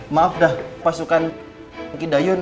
maaf dah pasukan